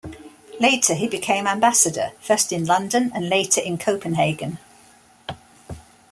Later he became ambassador, first in London and later in Copenhagen.